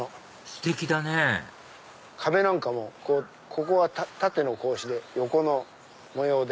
ステキだね壁なんかもここは縦の格子で横の模様で。